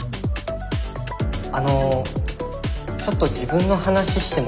あのちょっと自分の話してもいいですか？